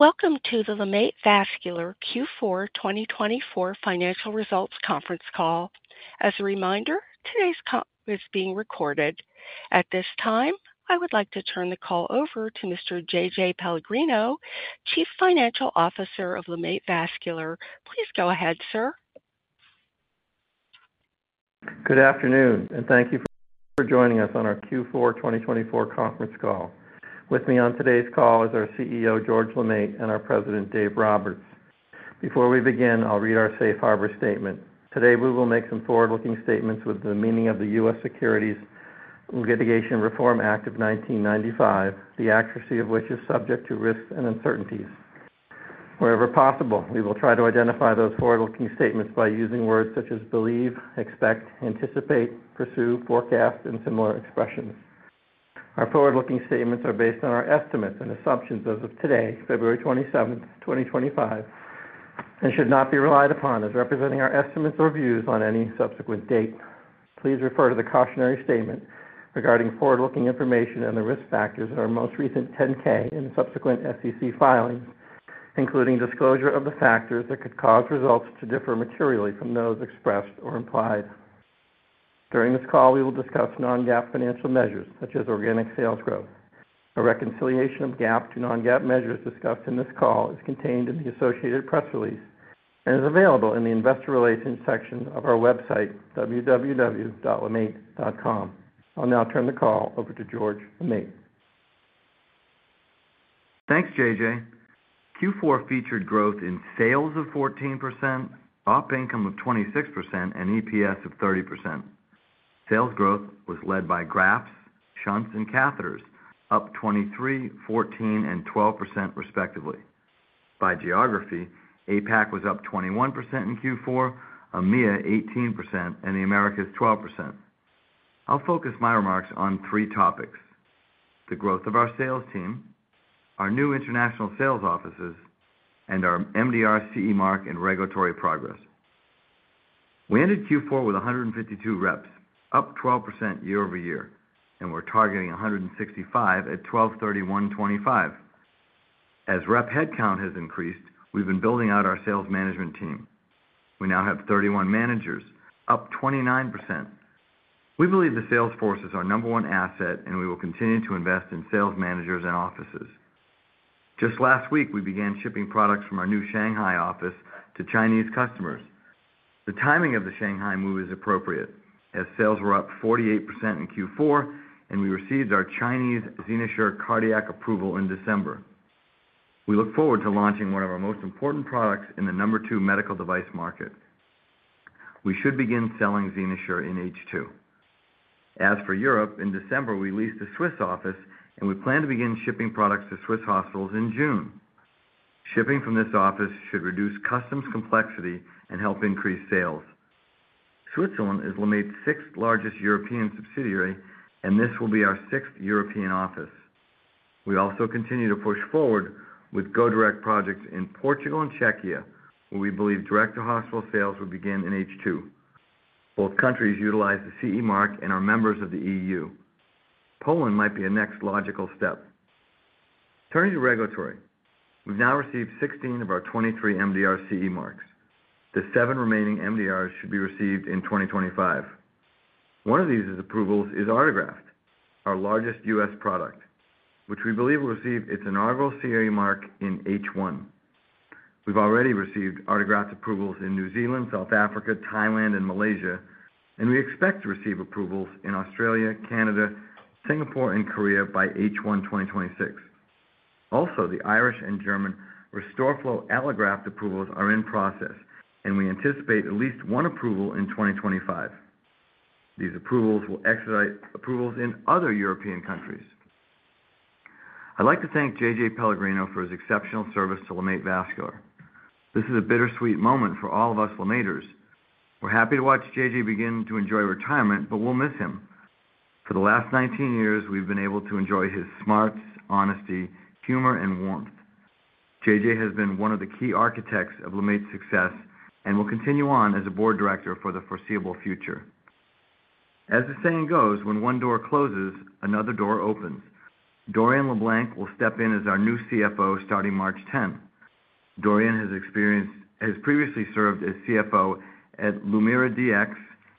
Welcome to the LeMaitre Vascular Q4 2024 Financial Results Conference Call. As a reminder, today's conference is being recorded. At this time, I would like to turn the call over to Mr. J.J. Pellegrino, Chief Financial Officer of LeMaitre Vascular. Please go ahead, sir. Good afternoon, and thank you for joining us on our Q4 2024 Conference Call. With me on today's call is our CEO, George LeMaitre, and our President, Dave Roberts. Before we begin, I'll read our Safe Harbor Statement. Today, we will make some forward-looking statements with the meaning of the U.S. Securities Litigation Reform Act of 1995, the accuracy of which is subject to risks and uncertainties. Wherever possible, we will try to identify those forward-looking statements by using words such as believe, expect, anticipate, pursue, forecast, and similar expressions. Our forward-looking statements are based on our estimates and assumptions as of today, February 27, 2025, and should not be relied upon as representing our estimates or views on any subsequent date. Please refer to the cautionary statement regarding forward-looking information and the risk factors in our most recent 10-K and subsequent SEC filings, including disclosure of the factors that could cause results to differ materially from those expressed or implied. During this call, we will discuss non-GAAP financial measures such as organic sales growth. A reconciliation of GAAP to non-GAAP measures discussed in this call is contained in the associated press release and is available in the investor relations section of our website, www.lemaitre.com. I'll now turn the call over to George LeMaitre. Thanks, J.J. Pellegrino Q4 featured growth in sales of 14%, Op income of 26%, and EPS of 30%. Sales growth was led by grafts, shunts, and catheters, up 23%, 14%, and 12%, respectively. By geography, APAC was up 21% in Q4, EMEA 18%, and the Americas 12%. I'll focus my remarks on three topics: the growth of our sales team, our new international sales offices, and our MDR CE mark and regulatory progress. We ended Q4 with 152 reps, up 12% year over year, and we're targeting 165 at 12/31/2025. As rep headcount has increased, we've been building out our sales management team. We now have 31 managers, up 29%. We believe the sales force is our number one asset, and we will continue to invest in sales managers and offices. Just last week, we began shipping products from our new Shanghai office to Chinese customers. The timing of the Shanghai move is appropriate, as sales were up 48% in Q4, and we received our Chinese XenoSure cardiac approval in December. We look forward to launching one of our most important products in the number two medical device market. We should begin selling XenoSure in H2. As for Europe, in December, we leased a Swiss office, and we plan to begin shipping products to Swiss hospitals in June. Shipping from this office should reduce customs complexity and help increase sales. Switzerland is LeMaitre's sixth largest European subsidiary, and this will be our sixth European office. We also continue to push forward with Go Direct projects in Portugal and Czechia, where we believe direct-to-hospital sales will begin in H2. Both countries utilize the CE mark and are members of the EU. Poland might be a next logical step. Turning to regulatory, we've now received 16 of our 23 MDR CE marks. The seven remaining MDRs should be received in 2025. One of these approvals is Artegraft, our largest U.S., product, which we believe will receive its inaugural CE mark in H1. We've already received Artegraft approvals in New Zealand, South Africa, Thailand, and Malaysia, and we expect to receive approvals in Australia, Canada, Singapore, and Korea by H1 2026. Also, the Irish and German RestoreFlow Allograft approvals are in process, and we anticipate at least one approval in 2025. These approvals will expedite approvals in other European countries. I'd like to thank J.J. Pellegrino for his exceptional service to LeMaitre Vascular. This is a bittersweet moment for all of us LeMaitres. We're happy to watch J.J.Pellegrino begin to enjoy retirement, but we'll miss him. For the last 19 years, we've been able to enjoy his smarts, honesty, humor, and warmth. J.J.Pellegrino has been one of the key architects of LeMaitre's success and will continue on as a board director for the foreseeable future. As the saying goes, when one door closes, another door opens. Dorian LeBlanc will step in as our new CFO starting March 10. Dorian has previously served as CFO at LumiraDx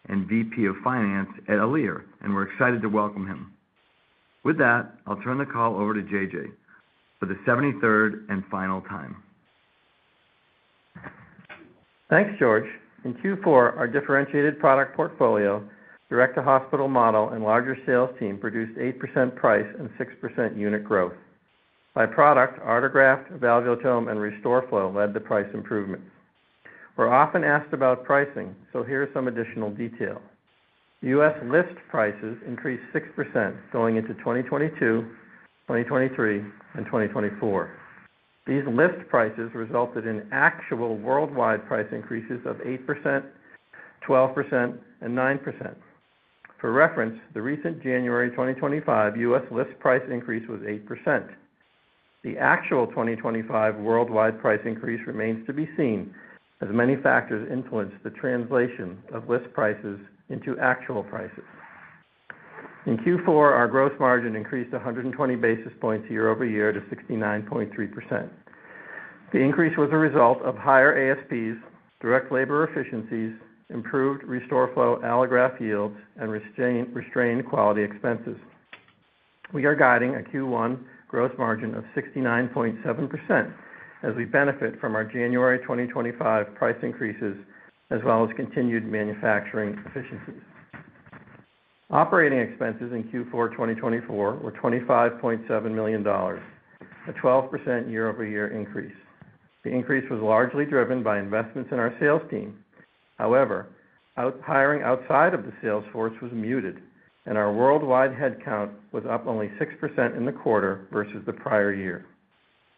and VP of Finance at Alere, and we're excited to welcome him. With that, I'll turn the call over to J.J.Pellegrino for the 73rd and final time. Thanks, George LeMaitre. In Q4, our differentiated product portfolio, direct-to-hospital model, and larger sales team produced 8% price and 6% unit growth. By product, Artegraft, Valvulotome, and RestoreFlow led the price improvements. We're often asked about pricing, so here's some additional detail. U.S., list prices increased 6% going into 2022, 2023, and 2024. These list prices resulted in actual worldwide price increases of 8%, 12%, and 9%. For reference, the recent January 2025 U.S., list price increase was 8%. The actual 2025 worldwide price increase remains to be seen, as many factors influence the translation of list prices into actual prices. In Q4, our gross margin increased 120 basis points year over year to 69.3%. The increase was a result of higher ASPs, direct labor efficiencies, improved RestoreFlow allograft yields, and restrained quality expenses. We are guiding a Q1 gross margin of 69.7% as we benefit from our January 2025 price increases, as well as continued manufacturing efficiencies. Operating expenses in Q4 2024 were $25.7 million, a 12% year-over-year increase. The increase was largely driven by investments in our sales team. However, hiring outside of the sales force was muted, and our worldwide headcount was up only 6% in the quarter versus the prior year.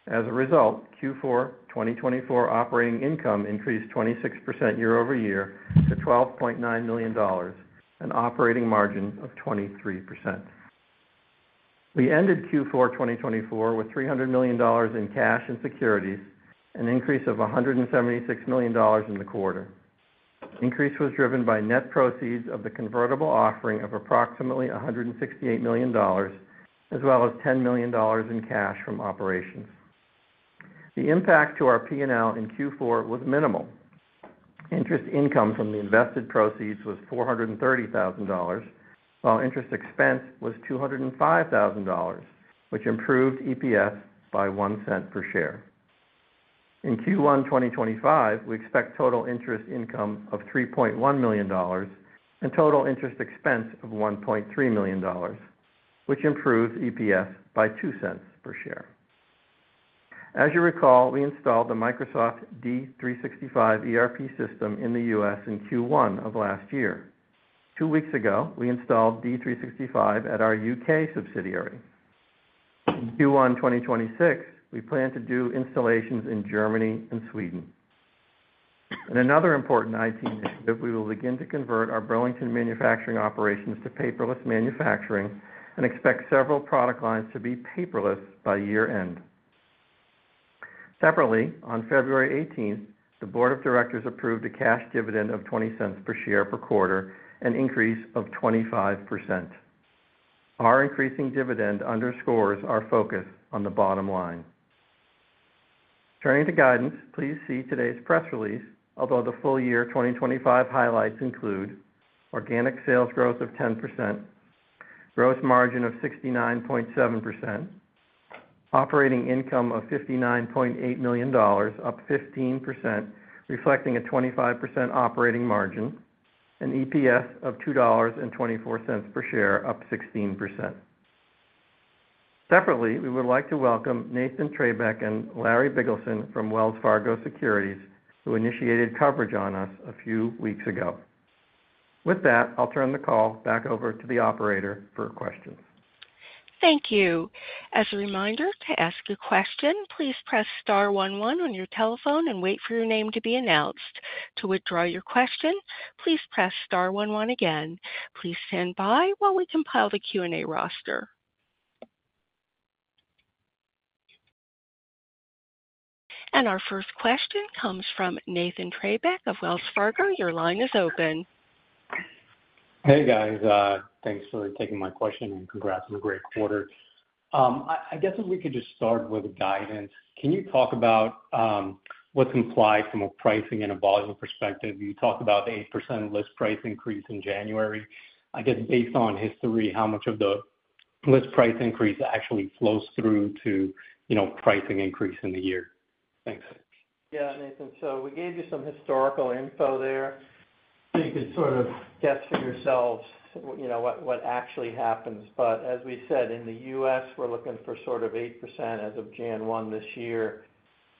As a result, Q4 2024 operating income increased 26% year-over-year to $12.9 million and operating margin of 23%. We ended Q4 2024 with $300 million in cash and securities, an increase of $176 million in the quarter. The increase was driven by net proceeds of the convertible offering of approximately $168 million, as well as $10 million in cash from operations. The impact to our P&L in Q4 was minimal. Interest income from the invested proceeds was $430,000, while interest expense was $205,000, which improved EPS by $0.01 per share. In Q1 2025, we expect total interest income of $3.1 million and total interest expense of $1.3 million, which improves EPS by $0.02 per share. As you recall, we installed the Microsoft D365 ERP system in the U.S., in Q1 of last year. Two weeks ago, we installed D365 at our U.K. subsidiary. In Q1 2026, we plan to do installations in Germany and Sweden. In another important IT initiative, we will begin to convert our Burlington manufacturing operations to paperless manufacturing and expect several product lines to be paperless by year-end. Separately, on February 18, the Board of Directors approved a cash dividend of $0.20 per share per quarter and an increase of 25%. Our increasing dividend underscores our focus on the bottom line. Turning to guidance, please see today's press release, although the full year 2025 highlights include organic sales growth of 10%, gross margin of 69.7%, operating income of $59.8 million, up 15%, reflecting a 25% operating margin, and EPS of $2.24 per share, up 16%. Separately, we would like to welcome Nathan Treybeck and Larry Biegelsen from Wells Fargo Securities, who initiated coverage on us a few weeks ago. With that, I'll turn the call back over to the operator for questions. Thank you. As a reminder, to ask a question, please press * 11 on your telephone and wait for your name to be announced. To withdraw your question, please press * 11 again. Please stand by while we compile the Q&A roster. And our first question comes from Nathan Treybeck of Wells Fargo. Your line is open. Hey, guys. Thanks for taking my question and congrats on a great quarter. I guess if we could just start with guidance. Can you talk about what's implied from a pricing and a volume perspective? You talked about the 8% list price increase in January. I guess based on history, how much of the list price increase actually flows through to pricing increase in the year? Thanks. Yeah, Nathan Treybeck, so we gave you some historical info there so you could sort of guess for yourselves what actually happens, but as we said, in the U.S., we're looking for sort of 8% as of January 1 this year.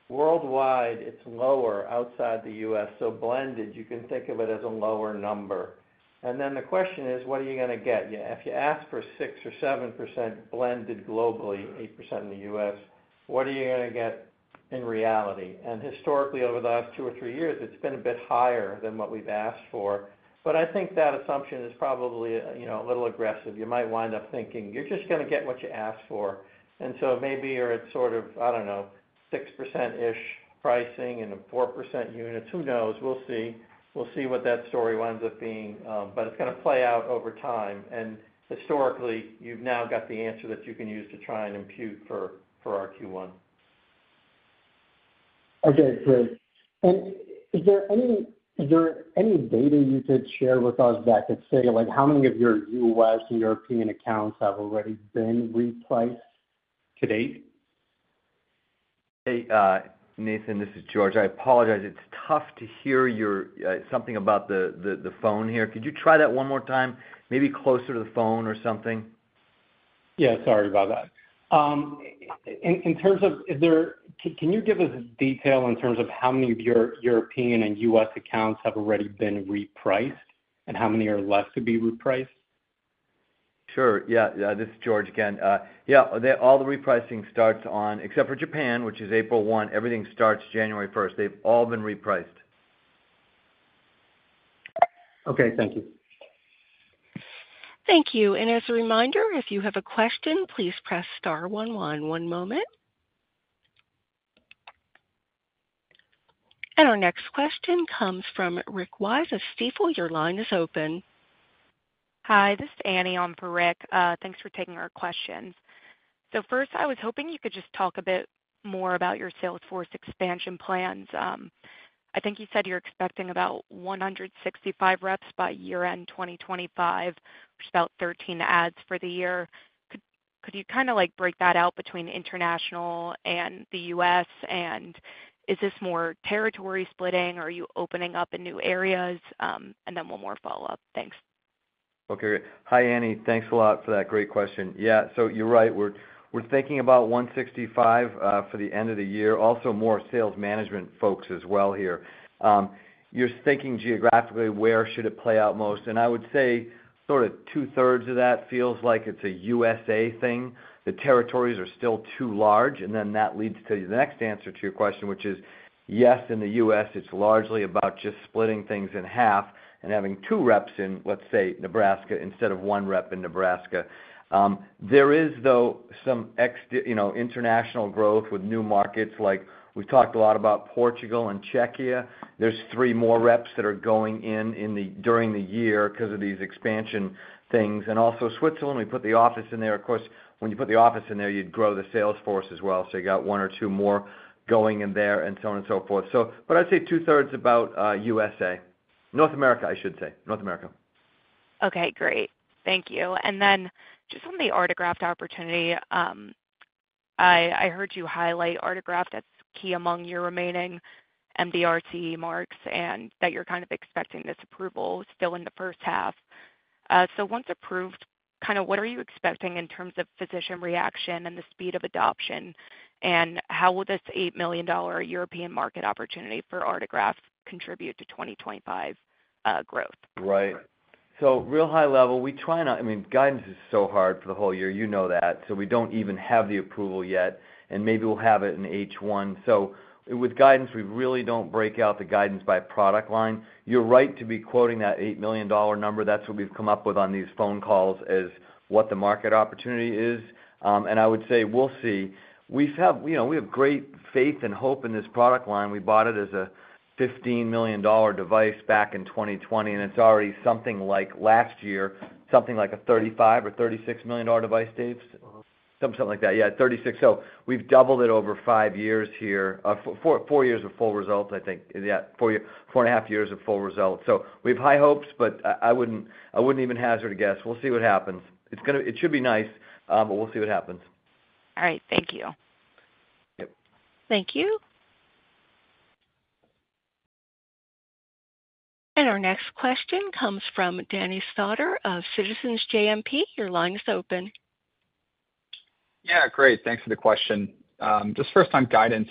Worldwide, it's lower outside the U.S., so blended, you can think of it as a lower number, and then the question is, what are you going to get? If you ask for 6 or 7% blended globally, 8% in the U.S., what are you going to get in reality, and historically, over the last two or three years, it's been a bit higher than what we've asked for, but I think that assumption is probably a little aggressive. You might wind up thinking you're just going to get what you asked for, and so maybe you're at sort of, I don't know, 6%-ish pricing and 4% units. Who knows? We'll see. We'll see what that story winds up being. But it's going to play out over time. And historically, you've now got the answer that you can use to try and impute for our Q1. Okay, great. Is there any data you could share with us that could say how many of your U.S., and European accounts have already been repriced to date? Hey, Nathan Treybeck, this is George LeMaitre. I apologize. It's tough to hear something about the phone here. Could you try that one more time, maybe closer to the phone or something? Yeah, sorry about that. In terms of, can you give us detail in terms of how many of your European and U.S., accounts have already been repriced and how many are left to be repriced? Sure. Yeah, this is George LeMaitre again. Yeah, all the repricing starts on, except for Japan, which is April 1, everything starts January 1st. They've all been repriced. Okay, thank you. Thank you. And as a reminder, if you have a question, please press * 11. One moment. And our next question comes from Rick Wise of Stifel. Your line is open. Hi, this is Annie. I'm for Rick. Thanks for taking our questions. So first, I was hoping you could just talk a bit more about your sales force expansion plans. I think you said you're expecting about 165 reps by year-end 2025, which is about 13 adds for the year. Could you kind of break that out between international and the U.S.? And is this more territory splitting, or are you opening up in new areas? And then one more follow-up. Thanks. Okay, great. Hi, Annie. Thanks a lot for that great question. Yeah, so you're right. We're thinking about 165 for the end of the year. Also, more sales management folks as well here. You're thinking geographically, where should it play out most? And I would say sort of two-thirds of that feels like it's a USA thing. The territories are still too large. And then that leads to the next answer to your question, which is yes, in the U.S., it's largely about just splitting things in half and having two reps in, let's say, Nebraska instead of one rep in Nebraska. There is, though, some international growth with new markets. We've talked a lot about Portugal and Czechia. There's three more reps that are going in during the year because of these expansion things. And also Switzerland, we put the office in there. Of course, when you put the office in there, you'd grow the sales force as well. So you got one or two more going in there and so on and so forth. But I'd say two-thirds about USA. North America, I should say. North America. Okay, great. Thank you. And then just on the Artegraft opportunity, I heard you highlight Artegraft as key among your remaining MDR CE marks and that you're kind of expecting this approval still in the first half. So once approved, kind of what are you expecting in terms of physician reaction and the speed of adoption? And how will this $8 million European market opportunity for Artegraft contribute to 2025 growth? Right. So real high level, I mean, guidance is so hard for the whole year, you know that. So we don't even have the approval yet, and maybe we'll have it in H1. So with guidance, we really don't break out the guidance by product line. You're right to be quoting that $8 million number. That's what we've come up with on these phone calls as what the market opportunity is. And I would say we'll see. We have great faith and hope in this product line. We bought it as a $15 million device back in 2020, and it's already something like last year, something like a $35 or $36 million device, Dave? Something like that. Yeah, $36. So we've doubled it over five years here. Four years of full results, I think. Yeah, four and a half years of full results. So we have high hopes, but I wouldn't even hazard a guess. We'll see what happens. It should be nice, but we'll see what happens. All right. Thank you. Thank you. And our next question comes from Danny Stauder of Citizens JMP. Your line is open. Yeah, great. Thanks for the question. Just first on guidance,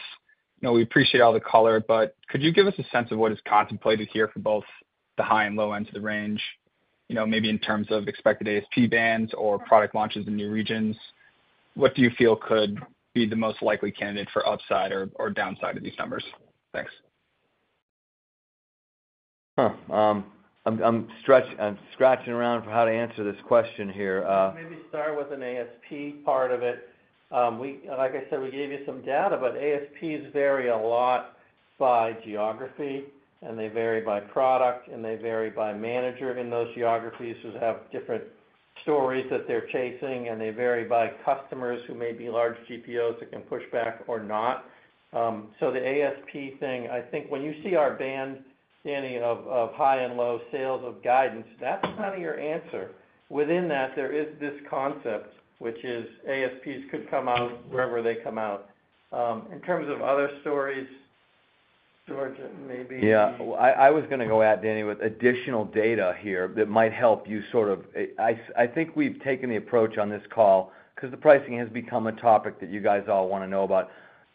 we appreciate all the color, but could you give us a sense of what is contemplated here for both the high and low ends of the range, maybe in terms of expected ASP bands or product launches in new regions? What do you feel could be the most likely candidate for upside or downside of these numbers? Thanks. I'm scratching around for how to answer this question here. Maybe start with an ASP part of it. Like I said, we gave you some data, but ASPs vary a lot by geography, and they vary by product, and they vary by manager in those geographies who have different stories that they're chasing, and they vary by customers who may be large GPOs that can push back or not. So the ASP thing, I think when you see our band, Danny Stauder, of high and low sales of guidance, that's kind of your answer. Within that, there is this concept, which is ASPs could come out wherever they come out. In terms of other stories, George LeMaitre, maybe. Yeah. I was going to go at, Danny Stauder, with additional data here that might help you sort of. I think we've taken the approach on this call because the pricing has become a topic that you guys all want to know about,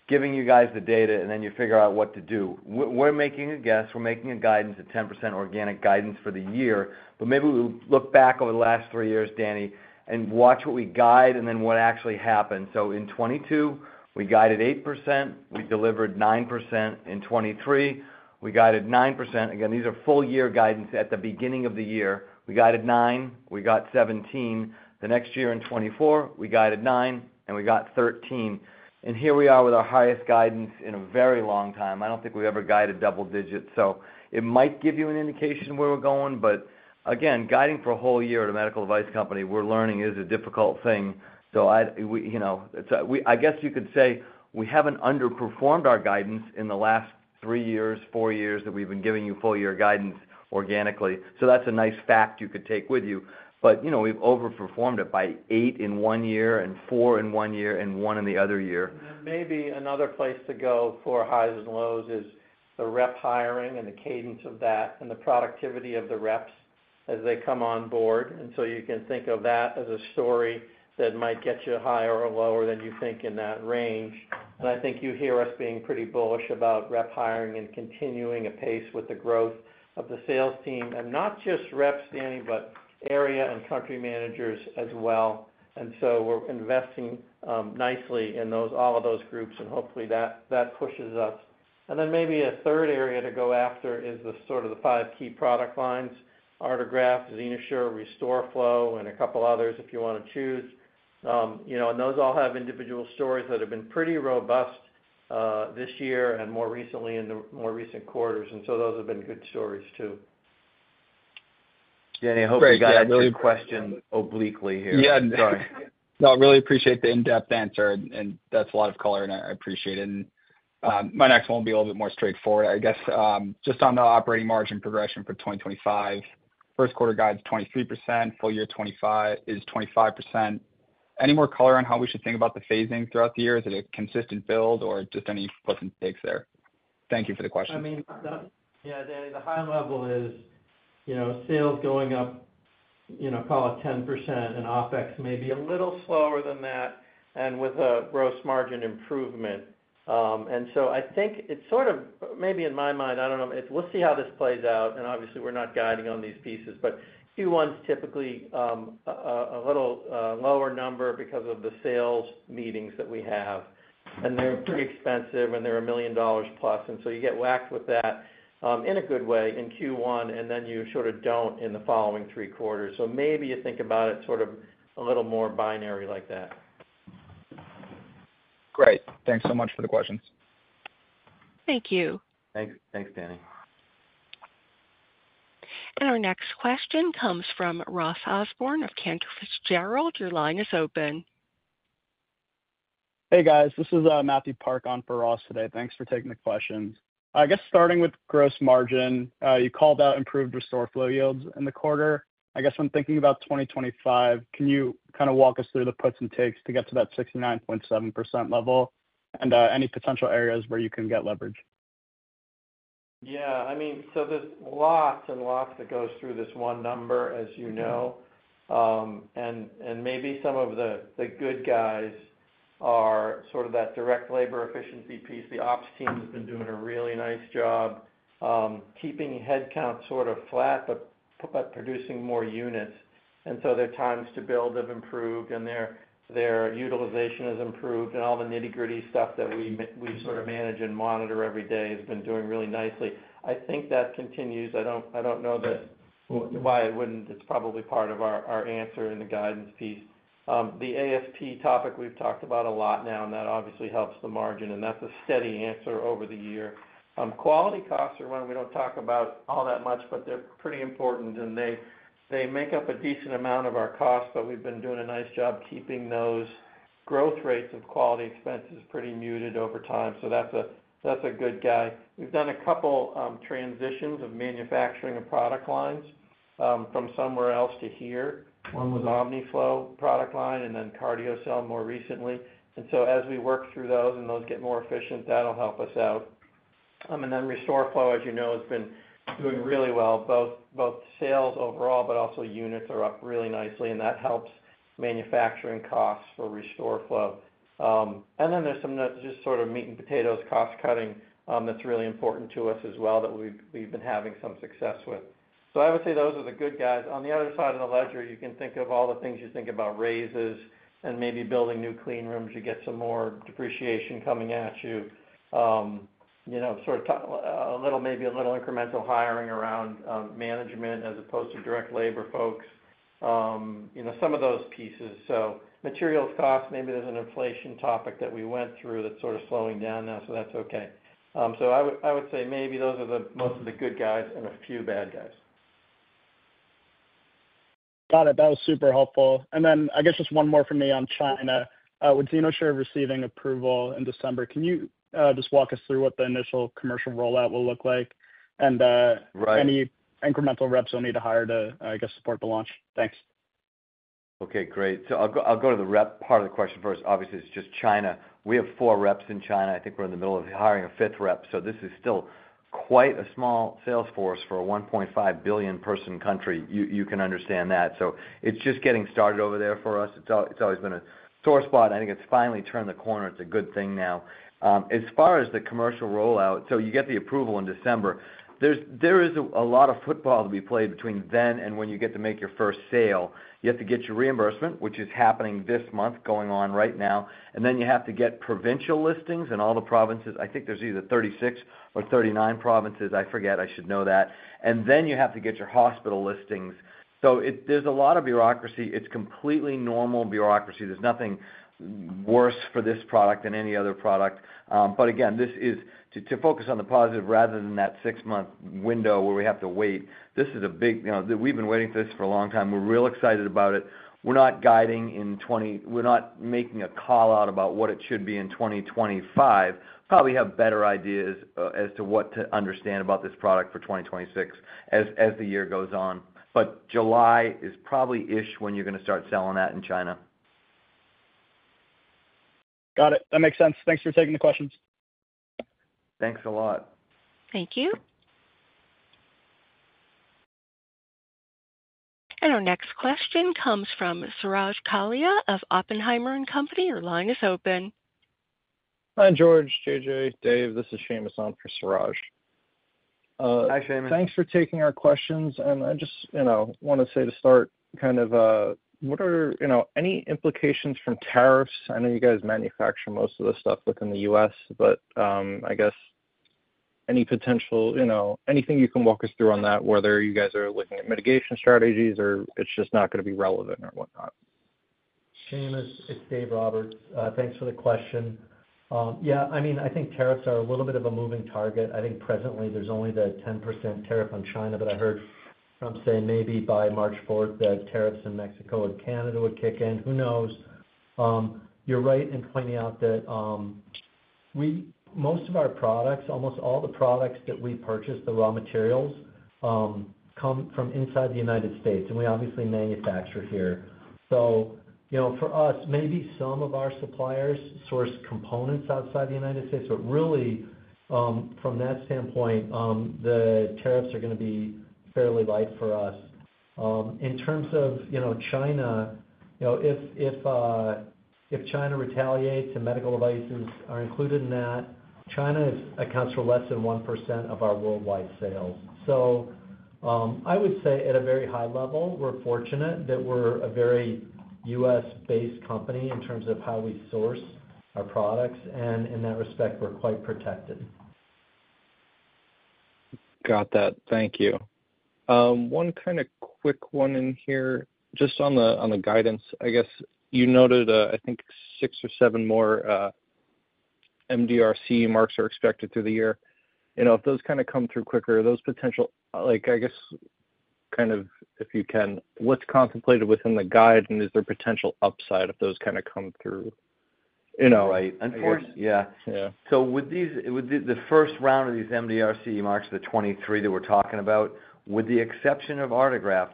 giving you guys the data, and then you figure out what to do. We're making a guess. We're making a guidance at 10% organic guidance for the year. But maybe we'll look back over the last three years, Danny Stauder, and watch what we guide and then what actually happens. So in 2022, we guided 8%. We delivered 9%. In 2023, we guided 9%. Again, these are full-year guidance at the beginning of the year. We guided 9. We got 17. The next year in 2024, we guided 9, and we got 13. And here we are with our highest guidance in a very long time. I don't think we've ever guided double digits. So it might give you an indication of where we're going. But again, guiding for a whole year at a medical device company, we're learning is a difficult thing. So I guess you could say we haven't underperformed our guidance in the last three years, four years that we've been giving you full-year guidance organically. So that's a nice fact you could take with you. But we've overperformed it by eight in one year and four in one year and one in the other year. Maybe another place to go for highs and lows is the rep hiring and the cadence of that and the productivity of the reps as they come on board. And so you can think of that as a story that might get you higher or lower than you think in that range. And I think you hear us being pretty bullish about rep hiring and continuing a pace with the growth of the sales team. And not just reps, Danny Stauder, but area and country managers as well. And so we're investing nicely in all of those groups, and hopefully that pushes us. And then maybe a third area to go after is sort of the five key product lines: Artegraft, XenoSure, RestoreFlow, and a couple others if you want to choose. And those all have individual stories that have been pretty robust this year and more recently in the more recent quarters. And so those have been good stories too. Danny Stauder, I hope we got a good question online here. Yeah. No, I really appreciate the in-depth answer, and that's a lot of color, and I appreciate it. My next one will be a little bit more straightforward, I guess. Just on the operating margin progression for 2025, first quarter guide's 23%, full year is 25%. Any more color on how we should think about the phasing throughout the year? Is it a consistent build or just any quick takes there? Thank you for the question. I mean, yeah, Danny Stauder the high level is sales going up, call it 10%, and OpEx may be a little slower than that and with a gross margin improvement, and so I think it's sort of maybe in my mind, I don't know. We'll see how this plays out, and obviously, we're not guiding on these pieces, but Q1's typically a little lower number because of the sales meetings that we have. And they're pretty expensive, and they're $1 million plus, and so you get whacked with that in a good way in Q1, and then you sort of don't in the following three quarters. So maybe you think about it sort of a little more binary like that. Great. Thanks so much for the questions. Thank you. Thanks, Danny Stauder. Our next question comes from Ross Osborn of Cantor Fitzgerald. Your line is open. Hey, guys. This is Matthew Park on for Ross today. Thanks for taking the questions. I guess starting with gross margin, you called out improved RestoreFlow yields in the quarter. I guess when thinking about 2025, can you kind of walk us through the puts and takes to get to that 69.7% level and any potential areas where you can get leverage? Yeah. I mean, so there's lots and lots that goes through this one number, as you know, and maybe some of the good guys are sort of that direct labor efficiency piece. The ops team has been doing a really nice job keeping headcount sort of flat but producing more units, so their times to build have improved, and their utilization has improved, and all the nitty-gritty stuff that we sort of manage and monitor every day has been doing really nicely. I think that continues. I don't know why it wouldn't. It's probably part of our answer in the guidance piece. The ASP topic, we've talked about a lot now, and that obviously helps the margin, and that's a steady answer over the year. Quality costs are one we don't talk about all that much, but they're pretty important. And they make up a decent amount of our costs, but we've been doing a nice job keeping those growth rates of quality expenses pretty muted over time. So that's a good guy. We've done a couple transitions of manufacturing of product lines from somewhere else to here. One was Omniflow product line and then CardioCel more recently. And so as we work through those and those get more efficient, that'll help us out. And then RestoreFlow, as you know, has been doing really well. Both sales overall, but also units are up really nicely, and that helps manufacturing costs for RestoreFlow. And then there's some just sort of meat and potatoes cost cutting that's really important to us as well that we've been having some success with. So I would say those are the good guys. On the other side of the ledger, you can think of all the things you think about raises and maybe building new clean rooms. You get some more depreciation coming at you. Sort of maybe a little incremental hiring around management as opposed to direct labor folks. Some of those pieces. So materials costs, maybe there's an inflation topic that we went through that's sort of slowing down now, so that's okay. So I would say maybe those are most of the good guys and a few bad guys. Got it. That was super helpful. And then I guess just one more from me on China. With XenoSure receiving approval in December, can you just walk us through what the initial commercial rollout will look like and any incremental reps you'll need to hire to, I guess, support the launch? Thanks. Okay, great. So I'll go to the rep part of the question first. Obviously, it's just China. We have four reps in China. I think we're in the middle of hiring a fifth rep. So this is still quite a small sales force for a 1.5 billion person country. You can understand that. So it's just getting started over there for us. It's always been a sore spot. I think it's finally turned the corner. It's a good thing now. As far as the commercial rollout, so you get the approval in December. There is a lot of football to be played between then and when you get to make your first sale. You have to get your reimbursement, which is happening this month, going on right now. And then you have to get provincial listings in all the provinces. I think there's either 36 or 39 provinces. I forget. I should know that. And then you have to get your hospital listings. So there's a lot of bureaucracy. It's completely normal bureaucracy. There's nothing worse for this product than any other product. But again, this is to focus on the positive rather than that six-month window where we have to wait. This is big. We've been waiting for this for a long time. We're real excited about it. We're not guiding in 2024. We're not making a call out about what it should be in 2025. Probably have better ideas as to what to understand about this product for 2026 as the year goes on. But July is probably-ish when you're going to start selling that in China. Got it. That makes sense. Thanks for taking the questions. Thanks a lot. Thank you. And our next question comes from Suraj Kalia of Oppenheimer & Company. Your line is open. Hi, George LeMaitre, J.J.Pellegrino, Dave. This is Seamus on for Suraj Kalia. Hi, Seamus. Thanks for taking our questions. And I just want to say to start, kind of what are any implications from tariffs? I know you guys manufacture most of the stuff within the U.S., but I guess any potential anything you can walk us through on that, whether you guys are looking at mitigation strategies or it's just not going to be relevant or whatnot. Seamus, it's Dave Roberts. Thanks for the question. Yeah, I mean, I think tariffs are a little bit of a moving target. I think presently there's only the 10% tariff on China, but I heard from, say, maybe by March 4th that tariffs in Mexico and Canada would kick in. Who knows? You're right in pointing out that most of our products, almost all the products that we purchase, the raw materials, come from inside the United States, and we obviously manufacture here. So for us, maybe some of our suppliers source components outside the United States. But really, from that standpoint, the tariffs are going to be fairly light for us. In terms of China, if China retaliates and medical devices are included in that, China accounts for less than 1% of our worldwide sales. So I would say at a very high level, we're fortunate that we're a very U.S.-based company in terms of how we source our products. And in that respect, we're quite protected. Got that. Thank you. One kind of quick one in here. Just on the guidance, I guess you noted, I think, six or seven more MDR CE marks are expected through the year. If those kind of come through quicker, those potential, I guess, kind of if you can, what's contemplated within the guide, and is there potential upside if those kind of come through? Right. Unfortunately, yeah. So with the first round of these MDR CE marks, the 23 that we're talking about, with the exception of Artegraft,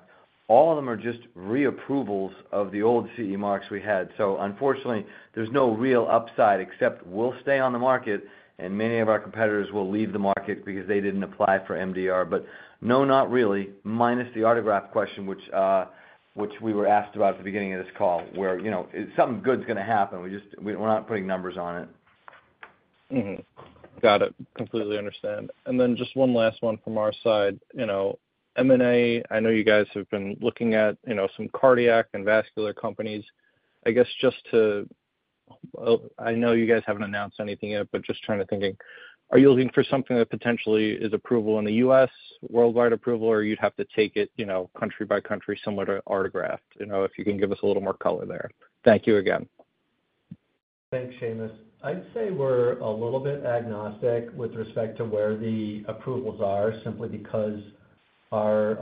all of them are just reapprovals of the old CE marks we had. So unfortunately, there's no real upside except we'll stay on the market, and many of our competitors will leave the market because they didn't apply for MDR. But no, not really, minus the Artegraft question, which we were asked about at the beginning of this call, where something good's going to happen. We're not putting numbers on it. Got it. Completely understand. And then just one last one from our side. M&A, I know you guys have been looking at some cardiac and vascular companies. I guess just to I know you guys haven't announced anything yet, but just trying to thinking, are you looking for something that potentially is approval in the U.S., worldwide approval, or you'd have to take it country by country similar to Artegraft? If you can give us a little more color there. Thank you again. Thanks, Seamus. I'd say we're a little bit agnostic with respect to where the approvals are simply because our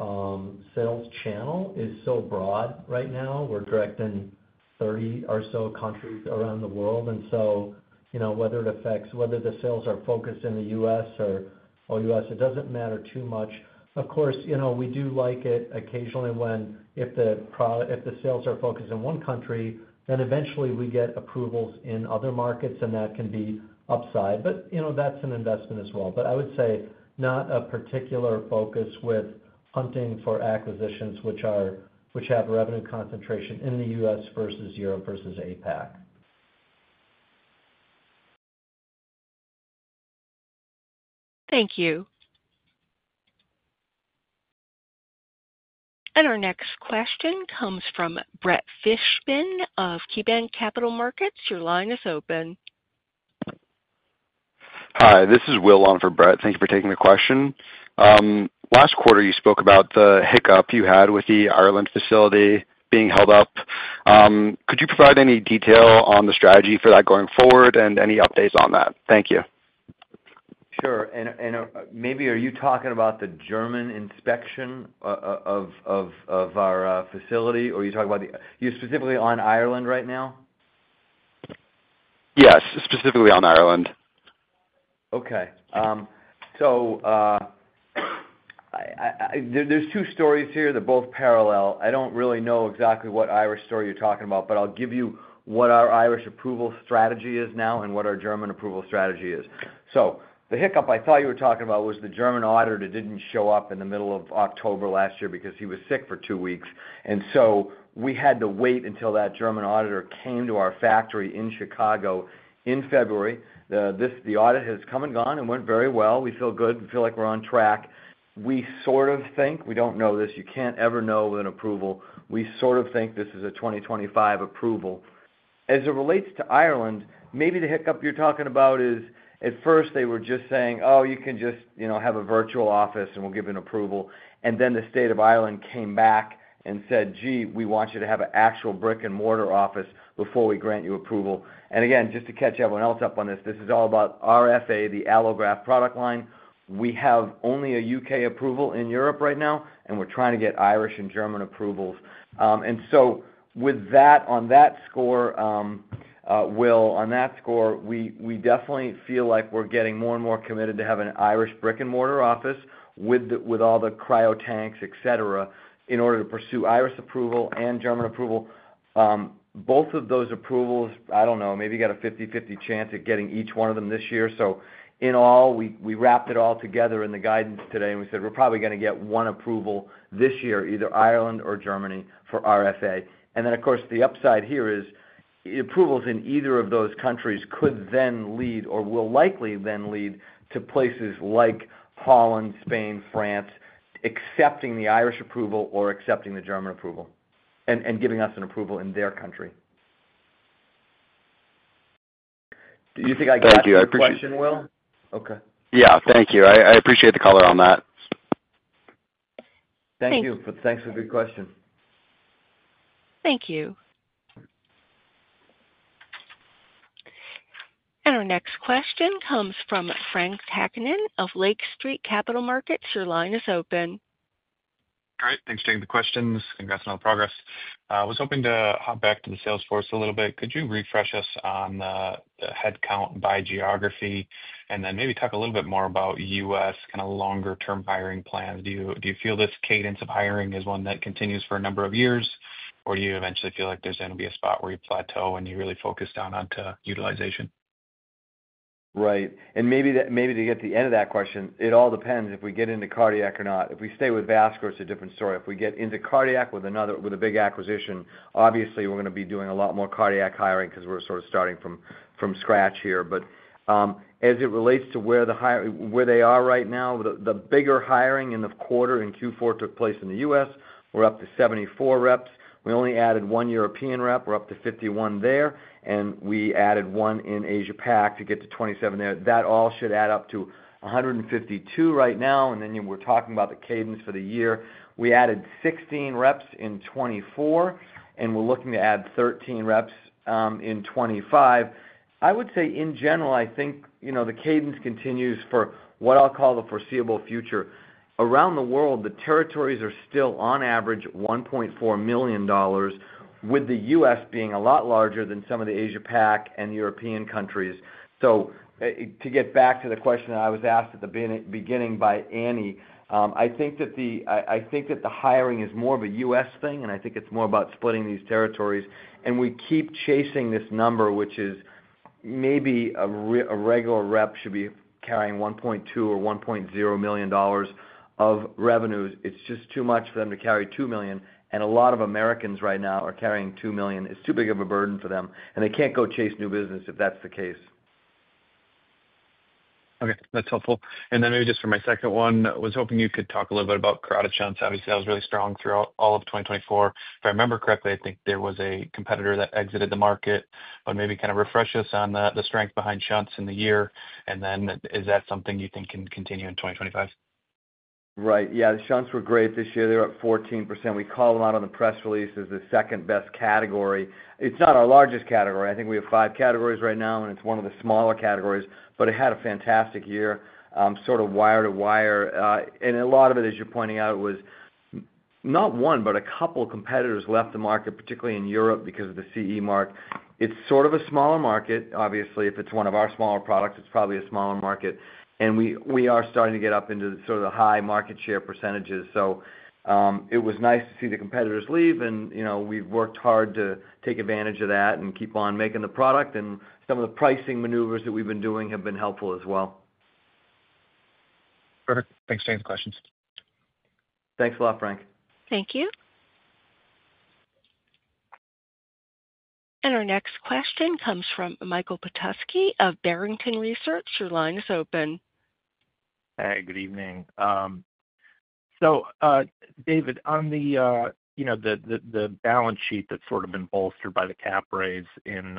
sales channel is so broad right now. We're in 30 or so countries around the world. And so whether it affects whether the sales are focused in the U.S., or outside the U.S., it doesn't matter too much. Of course, we do like it occasionally when the sales are focused in one country, then eventually we get approvals in other markets, and that can be upside. But that's an investment as well. But I would say not a particular focus when hunting for acquisitions which have revenue concentration in the U.S. versus Europe versus APAC. Thank you. And our next question comes from Brett Fishbin of KeyBanc Capital Markets. Your line is open. Hi, this is Will on for Brett Fishbin. Thank you for taking the question. Last quarter, you spoke about the hiccup you had with the Ireland facility being held up. Could you provide any detail on the strategy for that going forward and any updates on that? Thank you. Sure. And maybe are you talking about the German inspection of our facility, or are you talking about... you're specifically on Ireland right now? Yes, specifically on Ireland. Okay. So there's two stories here that both parallel. I don't really know exactly what Irish story you're talking about, but I'll give you what our Irish approval strategy is now and what our German approval strategy is. So the hiccup I thought you were talking about was the German auditor that didn't show up in the middle of October last year because he was sick for two weeks. And so we had to wait until that German auditor came to our factory in Chicago in February. The audit has come and gone and went very well. We feel good. We feel like we're on track. We sort of think we don't know this. You can't ever know with an approval. We sort of think this is a 2025 approval. As it relates to Ireland, maybe the hiccup you're talking about is at first they were just saying, "Oh, you can just have a virtual office and we'll give you an approval." And then the state of Ireland came back and said, "Gee, we want you to have an actual brick-and-mortar office before we grant you approval." And again, just to catch everyone else up on this, this is all about RestoreFlow, the allograft product line. We have only a U.K. approval in Europe right now, and we're trying to get Irish and German approvals. And so with that, on that score, Will, on that score, we definitely feel like we're getting more and more committed to have an Irish brick-and-mortar office with all the cryotanks, etc., in order to pursue Irish approval and German approval. Both of those approvals, I don't know, maybe you got a 50/50 chance at getting each one of them this year. So in all, we wrapped it all together in the guidance today, and we said we're probably going to get one approval this year, either Ireland or Germany for RFA. And then, of course, the upside here is approvals in either of those countries could then lead or will likely then lead to places like Holland, Spain, France, accepting the Irish approval or accepting the German approval and giving us an approval in their country. Do you think I got the question, Will? Thank you. I appreciate it. Okay. Yeah, thank you. I appreciate the color on that. Thank you. Thanks for the good question. Thank you. And our next question comes from Frank Takkinen of Lake Street Capital Markets. Your line is open. Great. Thanks for taking the questions. Congrats on all the progress. I was hoping to hop back to the sales force a little bit. Could you refresh us on the headcount by geography and then maybe talk a little bit more about U.S., kind of longer-term hiring plans? Do you feel this cadence of hiring is one that continues for a number of years, or do you eventually feel like there's going to be a spot where you plateau and you really focus down onto utilization? Right. And maybe to get the end of that question, it all depends if we get into cardiac or not. If we stay with vascular, it's a different story. If we get into cardiac with a big acquisition, obviously, we're going to be doing a lot more cardiac hiring because we're sort of starting from scratch here. But as it relates to where they are right now, the bigger hiring in the quarter in Q4 took place in the U.S. We're up to 74 reps. We only added one European rep. We're up to 51 there. And we added one in Asia-Pac to get to 27 there. That all should add up to 152 right now. And then we're talking about the cadence for the year. We added 16 reps in 2024, and we're looking to add 13 reps in 2025. I would say, in general, I think the cadence continues for what I'll call the foreseeable future. Around the world, the territories are still, on average, $1.4 million, with the U.S. being a lot larger than some of the Asia-Pac and European countries. So to get back to the question that I was asked at the beginning by Annie, I think that the hiring is more of a U.S. thing, and I think it's more about splitting these territories. And we keep chasing this number, which is maybe a regular rep should be carrying $1.2 or $1.0 million of revenues. It's just too much for them to carry two million. And a lot of Americans right now are carrying two million. It's too big of a burden for them, and they can't go chase new business if that's the case. Okay. That's helpful. And then maybe just for my second one, I was hoping you could talk a little bit about Carotid Shunts. Obviously, that was really strong throughout all of 2024. If I remember correctly, I think there was a competitor that exited the market. But maybe kind of refresh us on the strength behind Shunts in the year. And then is that something you think can continue in 2025? Right. Yeah. The Shunts were great this year. They were up 14%. We call them out on the press release as the second-best category. It's not our largest category. I think we have five categories right now, and it's one of the smaller categories. But it had a fantastic year, sort of wire to wire. And a lot of it, as you're pointing out, was not one, but a couple of competitors left the market, particularly in Europe because of the CE Mark. It's sort of a smaller market. Obviously, if it's one of our smaller products, it's probably a smaller market. And we are starting to get up into sort of the high market share percentages. So it was nice to see the competitors leave, and we've worked hard to take advantage of that and keep on making the product. Some of the pricing maneuvers that we've been doing have been helpful as well. Perfect. Thanks for taking the questions. Thanks a lot, Frank Takkinen. Thank you. And our next question comes from Michael Petusky of Barrington Research. Your line is open. Hey, good evening. So, David, on the balance sheet that's sort of been bolstered by the CapRaise in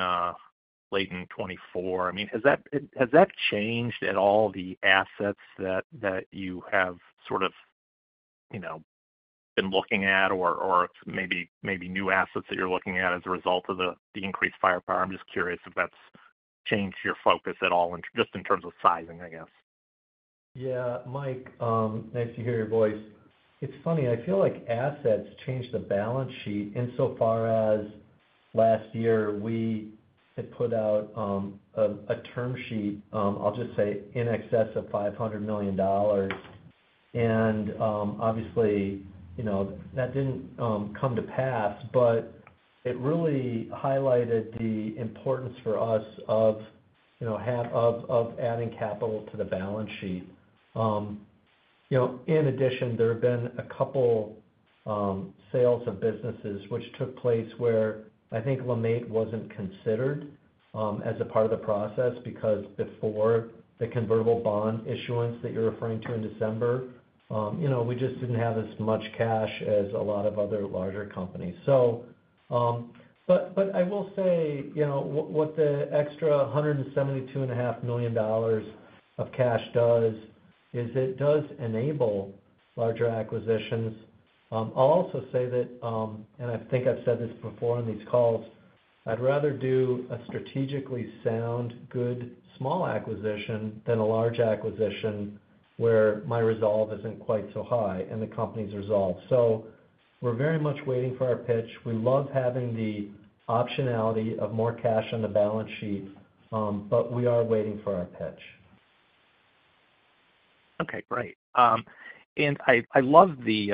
late 2024, I mean, has that changed at all the assets that you have sort of been looking at or maybe new assets that you're looking at as a result of the increased firepower? I'm just curious if that's changed your focus at all, just in terms of sizing, I guess. Yeah. Michael Petusky, nice to hear your voice. It's funny. I feel like acquisitions changed the balance sheet insofar as last year, we had put out a term sheet, I'll just say, in excess of $500 million. And obviously, that didn't come to pass, but it really highlighted the importance for us of adding capital to the balance sheet. In addition, there have been a couple sales of businesses which took place where I think LeMaitre wasn't considered as a part of the process because before the convertible bond issuance that you're referring to in December, we just didn't have as much cash as a lot of other larger companies. But I will say what the extra $172.5 million of cash does is it does enable larger acquisitions. I'll also say that, and I think I've said this before on these calls, I'd rather do a strategically sound, good, small acquisition than a large acquisition where my resolve isn't quite so high and the company's resolve. So we're very much waiting for our pitch. We love having the optionality of more cash on the balance sheet, but we are waiting for our pitch. Okay. Great. And I love the,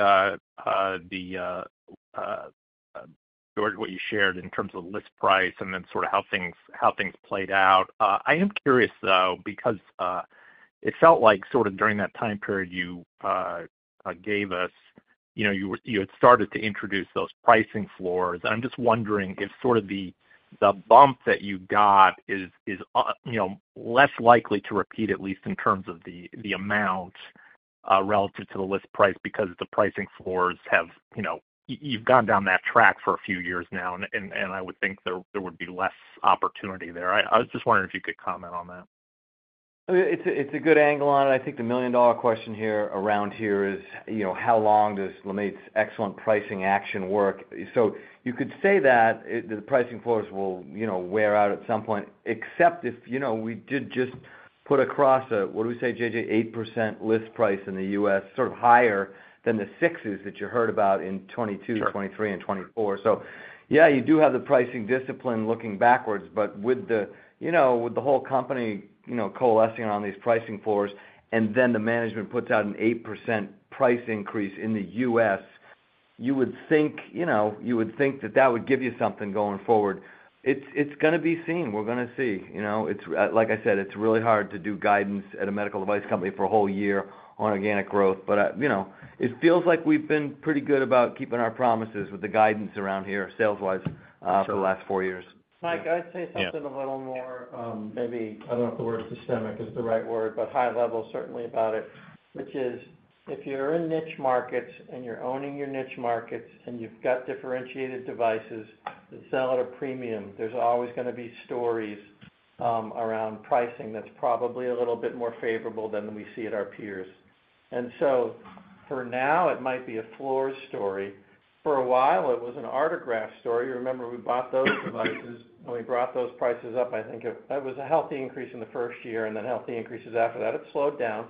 George LeMaitre, what you shared in terms of list price and then sort of how things played out. I am curious, though, because it felt like sort of during that time period you gave us, you had started to introduce those pricing floors. And I'm just wondering if sort of the bump that you got is less likely to repeat, at least in terms of the amount relative to the list price because the pricing floors, you've gone down that track for a few years now, and I would think there would be less opportunity there. I was just wondering if you could comment on that. I mean, it's a good angle on it. I think the million-dollar question around here is how long does LeMaitre's excellent pricing action work? So you could say that the pricing floors will wear out at some point, except if we did just put across a, what do we say, JJ, 8% list price in the U.S., sort of higher than the 6s that you heard about in 2022, 2023, and 2024. So yeah, you do have the pricing discipline looking backwards. But with the whole company coalescing around these pricing floors and then the management puts out an 8% price increase in the U.S., you would think you would think that that would give you something going forward. It's going to be seen. We're going to see. Like I said, it's really hard to do guidance at a medical device company for a whole year on organic growth. But it feels like we've been pretty good about keeping our promises with the guidance around here, sales-wise, for the last four years. Mike, I'd say something a little more, maybe I don't know if the word systemic is the right word, but high level certainly about it, which is if you're in niche markets and you're owning your niche markets and you've got differentiated devices that sell at a premium, there's always going to be stories around pricing that's probably a little bit more favorable than we see at our peers, and so for now, it might be a floor story. For a while, it was an Artegraft story. You remember we bought those devices, and we brought those prices up. I think it was a healthy increase in the first year and then healthy increases after that. It slowed down,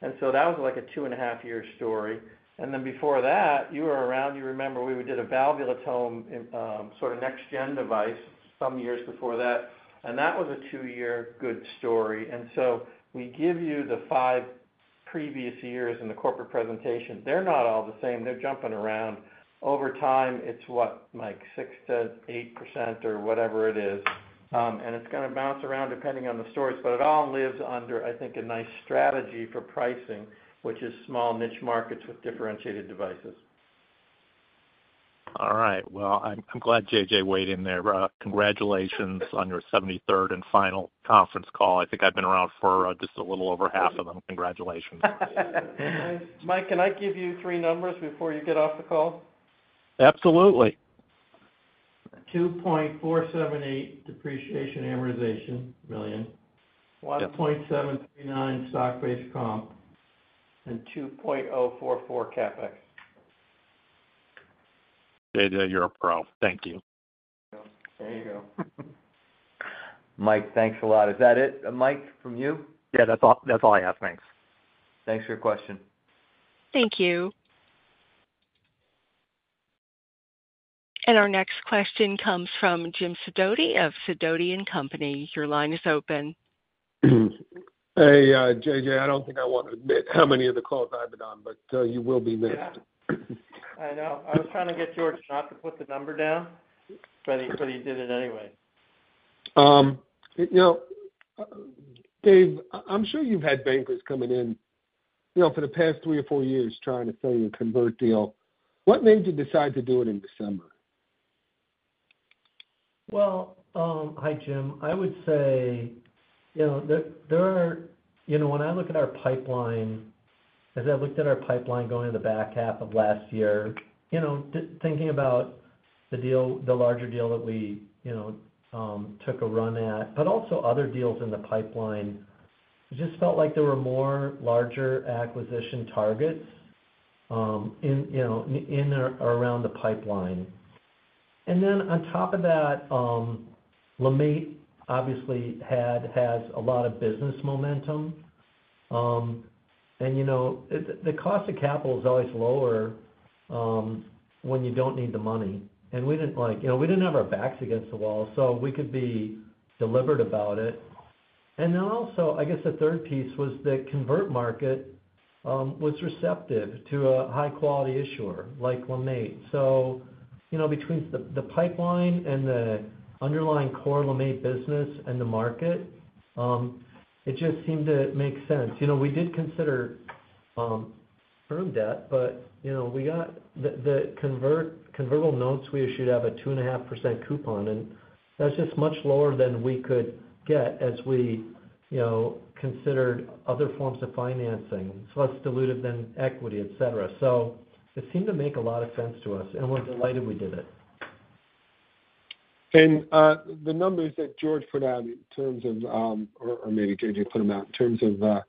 and so that was like a two-and-a-half-year story, and then before that, you were around. You remember we did a valvulotome sort of next-gen device some years before that. And that was a two-year good story. And so we give you the five previous years in the corporate presentation. They're not all the same. They're jumping around. Over time, it's what, Mike, 6%-8% or whatever it is. And it's going to bounce around depending on the stories. But it all lives under, I think, a nice strategy for pricing, which is small niche markets with differentiated devices. All right. Well, I'm glad J.J. Pellegrino weighed in there. Congratulations on your 73rd and final conference call. I think I've been around for just a little over half of them. Congratulations. Mike, can I give you three numbers before you get off the call? Absolutely. million depreciation amortization. $1.739 million stock-based comp. 2.044 CapEx. J.J. Pellegrino, you're a pro. Thank you. There you go. There you go. Michael Petusky, thanks a lot. Is that it, Michael Petusky, from you? Yeah. That's all I have. Thanks. Thanks for your question. Thank you, and our next question comes from James Sidoti of Sidoti & Company. Your line is open. Hey, J.J.Pellegrino, I don't think I want to admit how many of the calls I've been on, but you will be missed. I know. I was trying to get George LeMaitre not to put the number down, but he did it anyway. Dave, I'm sure you've had bankers coming in for the past three or four years trying to sell you a convert deal. What made you decide to do it in December? Hi, James Sidoti. I would say there are when I look at our pipeline, as I looked at our pipeline going in the back half of last year, thinking about the deal, the larger deal that we took a run at, but also other deals in the pipeline, it just felt like there were more larger acquisition targets in or around the pipeline. And then on top of that, LeMaitre obviously has a lot of business momentum. And the cost of capital is always lower when you don't need the money. And we didn't have our backs against the wall, so we could be deliberate about it. And then also, I guess the third piece was the convert market was receptive to a high-quality issuer like LeMaitre. So between the pipeline and the underlying core LeMaitre business and the market, it just seemed to make sense. We did consider term debt, but the convertible notes we issued have a 2.5% coupon, and that's just much lower than we could get as we considered other forms of financing, so less diluted than equity, etc. So it seemed to make a lot of sense to us, and we're delighted we did it. The numbers that George LeMaitre put out in terms of or maybe J.J. Pellegrino put them out in terms of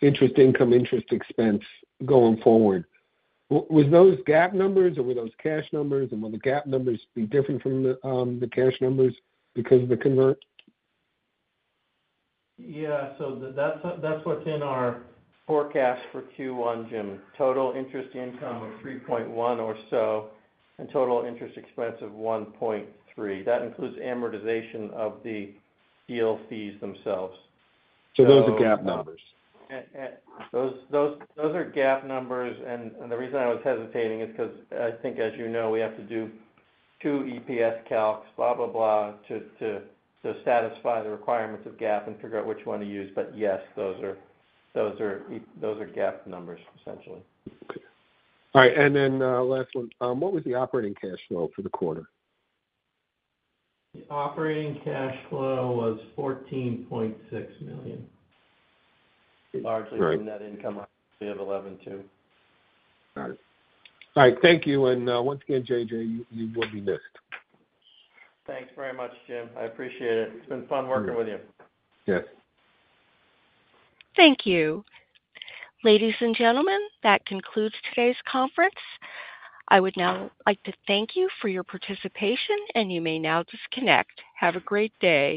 interest income, interest expense going forward, were those GAAP numbers or were those cash numbers? Will the GAAP numbers be different from the cash numbers because of the convert? Yeah, so that's what's in our forecast for Q1, James Sidoti. Total interest income of 3.1 or so and total interest expense of 1.3. That includes amortization of the deal fees themselves. Those are GAAP numbers. Those are GAAP numbers. And the reason I was hesitating is because I think, as you know, we have to do two EPS calcs, blah, blah, blah, to satisfy the requirements of GAAP and figure out which one to use. But yes, those are GAAP numbers, essentially. Okay. All right and then last one, what was the operating cash flow for the quarter? Operating cash flow was $14.6 million. Largely from that income of 11.2. All right. All right. Thank you. And once again, J.J. Pellegrino, you will be missed. Thanks very much, James Sidoti. I appreciate it. It's been fun working with you. Yes. Thank you. Ladies and gentlemen, that concludes today's conference. I would now like to thank you for your participation, and you may now disconnect. Have a great day.